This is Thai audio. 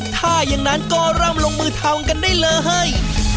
ถ้าอย่างนั้นก็เริ่มลงมือทำกันได้เลย